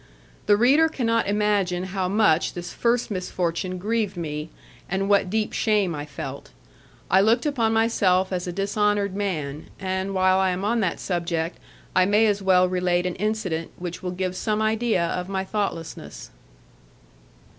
The reader cannot imagine how much this first misfortune grieved me, and what deep shame I felt. I looked upon myself as a dishonoured man, and while I am on that subject I may as well relate an incident which will give some idea of my thoughtlessness.